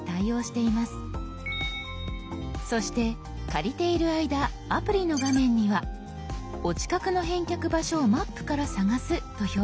そして借りている間アプリの画面には「お近くの返却場所をマップからさがす」と表示されています。